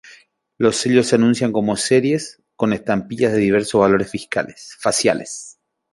Los sellos se anuncian como series, con estampillas de diversos valores faciales.